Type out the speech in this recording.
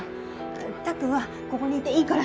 たっくんはここにいていいから。